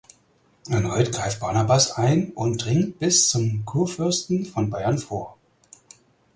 Erneut greift Barnabas ein und dringt bis zum Kurfürsten von Bayern vor.